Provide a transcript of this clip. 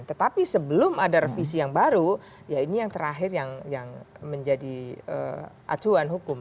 tetapi sebelum ada revisi yang baru ya ini yang terakhir yang menjadi acuan hukum